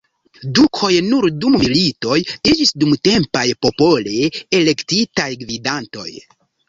Dukoj nur dum militoj iĝis dumtempaj, popole elektitaj gvidantoj.